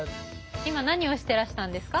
今何をしてらしたんですか？